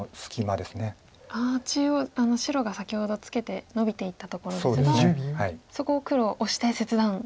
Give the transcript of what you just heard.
中央白が先ほどツケてノビていったところですがそこを黒オシて切断。